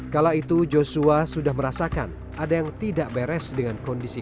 kala itu joshua sudah merasakan ada yang tidak beres dengan kondisi